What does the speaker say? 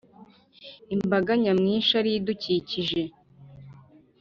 Imbaga nyamwinshi ariyo idukikije